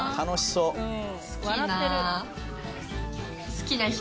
好きな人？